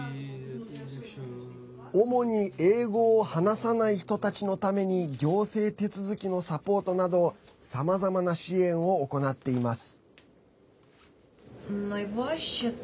主に、英語を話さない人たちのために行政手続きのサポートなどさまざまな支援を行っています。